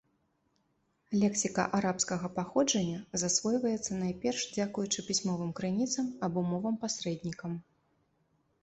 Лексіка арабскага паходжання засвойваецца найперш дзякуючы пісьмовым крыніцам або мовам-пасрэднікам.